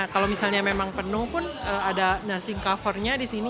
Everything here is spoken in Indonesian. kalau misalnya memang penuh pun ada nursing cover nya di sini